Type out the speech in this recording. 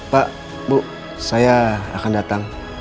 pak bu saya akan datang